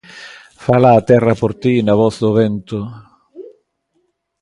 Fala a terra por ti na voz do vento.